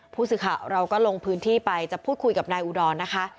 ผู้สื่อข่าวเราก็ลงพื้นที่ไปจะพูดคุยกับนายอุดรนะคะ